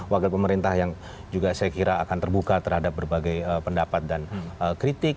wakil pemerintah yang juga saya kira akan terbuka terhadap berbagai pendapat dan kritik